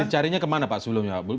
carinya kemana pak sebelumnya